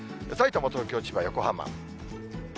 さいたま、東京、千葉、横浜。